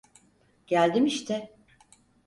Geldim işte.